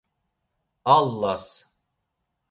Allas..